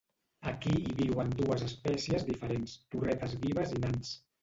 Aquí hi viuen dues espècies diferents, torretes vives i nans.